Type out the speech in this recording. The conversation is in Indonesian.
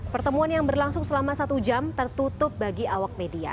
pertemuan yang berlangsung selama satu jam tertutup bagi awak media